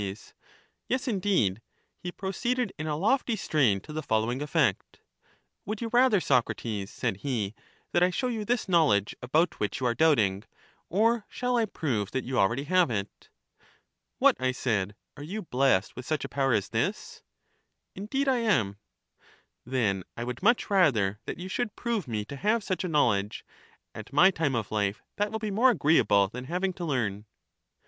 Yes, indeed; he proceeded in a lofty strain to the following effect: Would you rather, Socrates, said he, that I should show you this knowledge about which you are doubting, or shall I prove that you already have it? What, I said, are you blessed with such a power as this? Indeed I am. Then I would much rather that you should prove me to have such a knowledge ; at my time of life that will be more agreeable than having to learn.